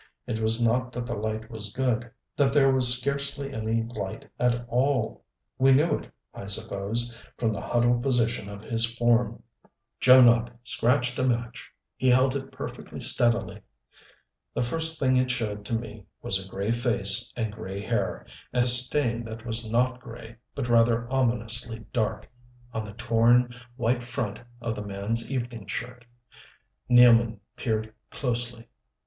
It was not that the light was good; that there was scarcely any light at all. We knew it, I suppose, from the huddled position of his form. Joe Nopp scratched a match. He held it perfectly steadily. The first thing it showed to me was a gray face and gray hair, and a stain that was not gray, but rather ominously dark, on the torn, white front of the man's evening shirt. Nealman peered closely.